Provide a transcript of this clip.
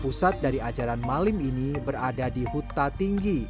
pusat dari ajaran malim ini berada di huta tinggi